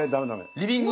リビング。